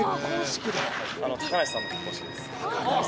高梨さんの結婚式です。